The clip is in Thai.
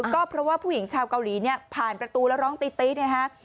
ก็เพราะว่าผู้หญิงชาวเกาหลีเนี่ยผ่านประตูแล้วร้องตี๊นะฮะ